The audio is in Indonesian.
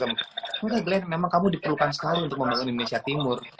menurut glenn memang kamu diperlukan sekali untuk membangun indonesia timur